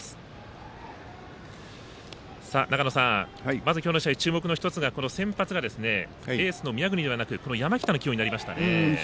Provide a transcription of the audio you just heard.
まずきょうの試合注目の１つが先発がエースの宮國ではなく山北の起用になりましたね。